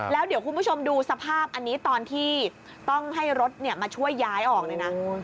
แล้วเดี๋ยวคุณผู้ชมดูสภาพอันนี้ตอนที่ต้องให้รถมาช่วยย้ายออกเลยนะ